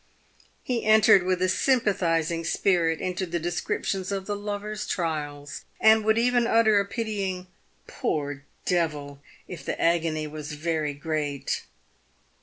He entered with a sympathising spirit into the descriptions of the lover's trials, and would even utter a pitying "poor devil !" if the agony was very great.